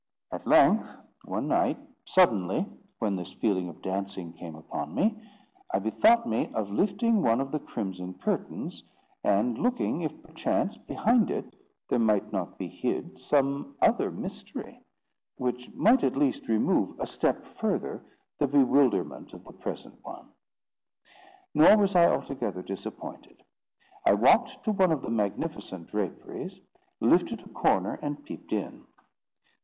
At length, one night, suddenly, when this feeling of dancing came upon me, I bethought me of lifting one of the crimson curtains, and looking if, perchance, behind it there might not be hid some other mystery, which might at least remove a step further the bewilderment of the present one. Nor was I altogether disappointed. I walked to one of the magnificent draperies, lifted a corner, and peeped in.